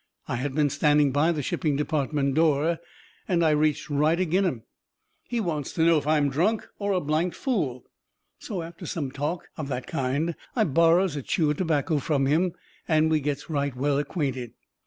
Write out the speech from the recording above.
I had been standing by the shipping department door, and I reached right agin him. He wants to know if I am drunk or a blanked fool. So after some talk of that kind I borrows a chew of tobacco of him and we gets right well acquainted.